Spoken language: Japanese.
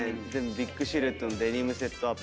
ビッグシルエットのデニムセットアップ。